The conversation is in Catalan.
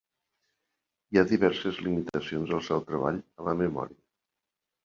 Hi ha diverses limitacions al seu treball a la memòria.